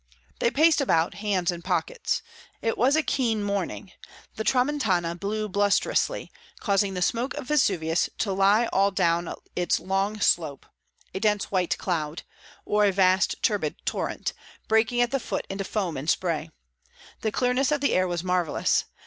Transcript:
They paced about, hands in pockets. It was a keen morning; the tramontana blew blusterously, causing the smoke of Vesuvius to lie all down its long slope, a dense white cloud, or a vast turbid torrent, breaking at the foot into foam and spray. The clearness of the air was marvellous.